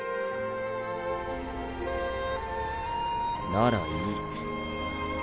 ならいい。